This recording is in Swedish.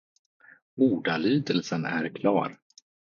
Ordalydelsen är klar.